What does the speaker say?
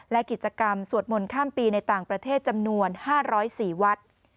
และกิจกรรมสวดมนต์ข้ามปีในต่างประเทศจำนวน๕๐๔วัด